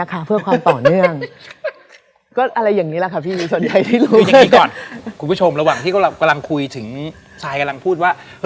คือเก็บครบหมด